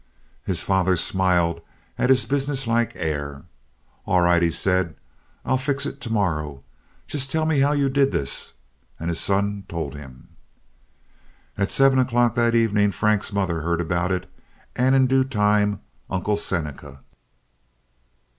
His father smiled at his business like air. "All right," he said. "I'll fix it to morrow. Tell me just how you did this." And his son told him. At seven o'clock that evening Frank's mother heard about it, and in due time Uncle Seneca.